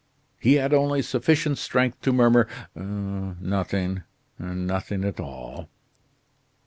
He had only sufficient strength to murmur: "Nothing nothing at all."